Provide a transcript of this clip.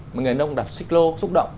một người nông đọc xích lô xúc động